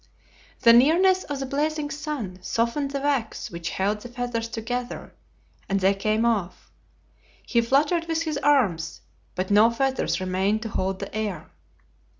The nearness of the blazing sun softened the wax which held the feathers together, and they came off. He fluttered with his arms, but no feathers remained to hold the air.